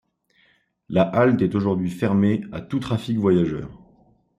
La halte est aujourd’hui fermée à tout trafic voyageur.